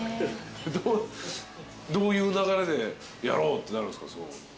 どういう流れでやろうってなるんですか？